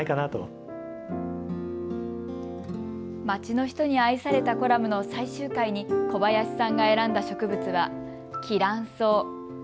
町の人に愛されたコラムの最終回に小林さんが選んだ植物はキランソウ。